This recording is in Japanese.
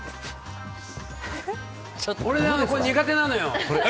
俺、苦手なのよ。